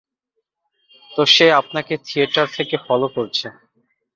তো সে আপনাকে থিয়েটার থেকে ফলো করছে।